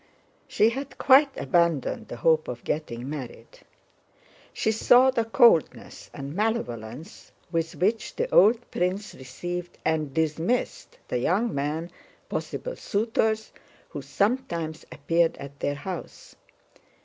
She had quite abandoned the hope of getting married. She saw the coldness and malevolence with which the old prince received and dismissed the young men, possible suitors, who sometimes appeared at their house.